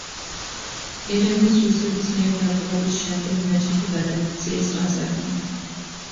ერევნის რუსების მიერ დაპყრობის შემდეგ, მეჩეთი გადააქციეს ყაზარმად.